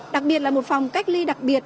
đặc biệt là một phòng cách ly đặc biệt